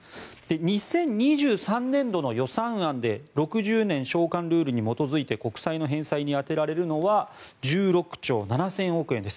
２０２３年度の予算案で６０年償還ルールに基づいて国債の返済に充てられるのは１６兆７０００億円です。